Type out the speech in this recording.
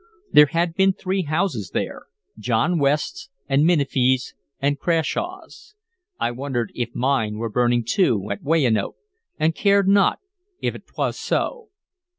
There had been three houses there, John West's and Minifie's and Crashaw's. I wondered if mine were burning, too, at Weyanoke, and cared not if 't was so.